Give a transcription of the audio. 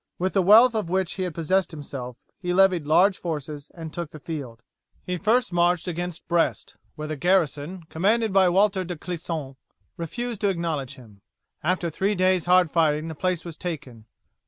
With the wealth of which he had possessed himself he levied large forces and took the field. He first marched against Brest, where the garrison, commanded by Walter de Clisson, refused to acknowledge him. After three days' hard fighting the place was taken.